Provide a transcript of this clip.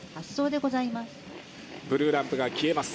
ブルーランプが消えます。